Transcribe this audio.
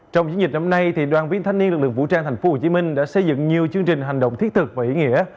trong chiến dịch năm nay đoàn viên thanh niên lực lượng vũ trang tp hcm đã xây dựng nhiều chương trình hành động thiết thực và ý nghĩa